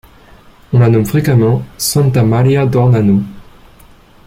On la nomme fréquemment Santa-Maria-d'Ornano.